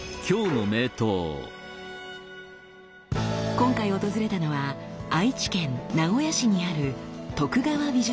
今回訪れたのは愛知県名古屋市にある徳川美術館。